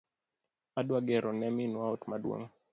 Adwa gero ne minwa ot maduong